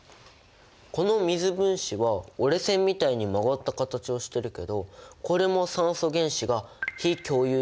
この水分子は折れ線みたいに曲がった形をしてるけどこれも酸素原子が非共有